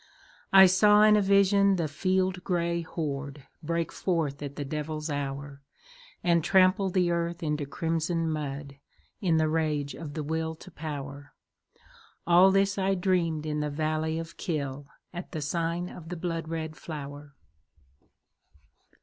I saw in a vision the field gray horde Break forth at the devil's hour, And trample the earth into crimson mud In the rage of the Will to Power, All this I dreamed in the valley of Kyll, At the sign of the blood red flower.